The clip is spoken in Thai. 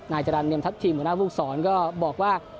นายจรรย์เนียมทัพทีมหมู่หน้าภูกษรก็บอกว่า